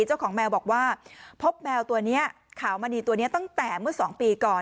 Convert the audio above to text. เจ้าของแมวบอกว่าพบแมวตัวนี้ขาวมณีตัวนี้ตั้งแต่เมื่อ๒ปีก่อน